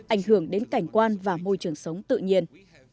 ảnh hưởng đến cảnh quan và môi trường sống tự nhiên